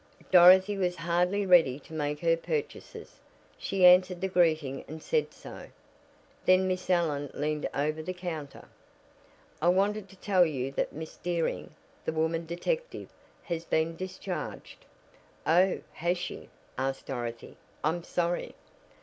Dorothy was hardly ready to make her purchases. She answered the greeting and said so. Then Miss Allen leaned over the counter. "I wanted to tell you that Miss Dearing, the woman detective, has been discharged." "Oh, has she?" asked Dorothy. "I'm sorry."